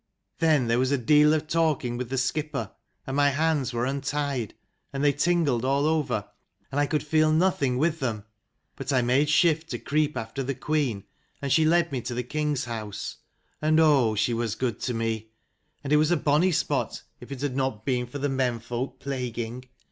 222 " Then there was a deal of talking with the skipper, and my hands were untied, and they tingled all over, and I could feel nothing with them. But I made shift to creep after the queen : and she led me to the king's house, and oh she was good to me : and it was a bonny spot, if it had not been for the men folk plaguing.